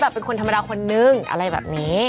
เป็นคนธรรมดาคนนึงอะไรแบบนี้